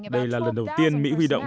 đây là lần đầu tiên mỹ huy động